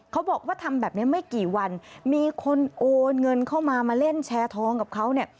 เขาบอกว่าทำแบบนี้ไม่กี่วันมีคนโอนเงินเข้ามามาเล่นแชร์ทองกับเขาเนี่ย